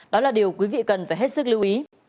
đó là điều quý vị cần phải hết sức lưu ý